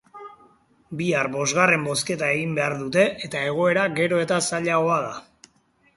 Bihar bosgarren bozketa egin behar dute eta egoera gero eta zailagoa da.